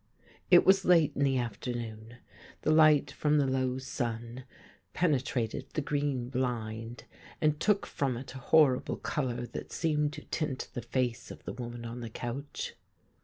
It was late in the after noon ; the light from the low sun 59 THE GREEN LIGHT penetrated the green blind and took from it a horrible colour that seemed to tint the face of the woman on the couch.